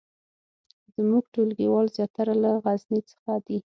زمونږ ټولګیوال زیاتره له غزني څخه دي